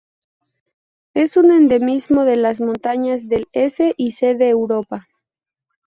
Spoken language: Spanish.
Es un endemismo de las montañas del S y C de Europa.